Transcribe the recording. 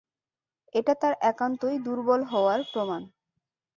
এটা তার একান্তই দুর্বল হওয়ার প্রমাণ।